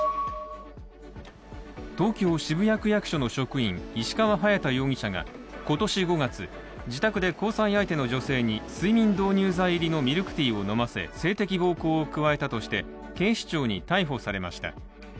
東京・渋谷区役所の職員、石川隼大容疑者が今年５月、自宅で交際相手の女性に睡眠導入剤入りのミルクティーを飲ませ性的暴行を加えたとして警視庁に逮捕されました。